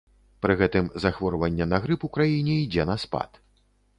Пры гэтым захворванне на грып у краіне ідзе на спад.